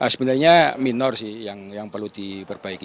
sebenarnya minor sih yang perlu diperbaiki